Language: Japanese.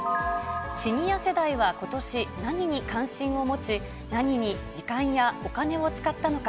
シニア世代はことし、何に関心を持ち、何に時間やお金を使ったのか。